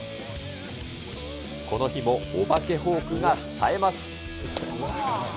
この日もお化けフォークがさえます。